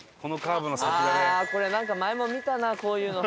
これなんか前も見たなこういうの。